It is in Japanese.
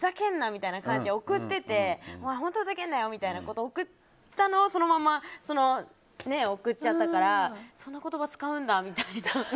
みたいな感じで送っててお前、本当ふざけんなよみたいに送ったのをそのまま送っちゃったからそんな言葉使うんだみたいな。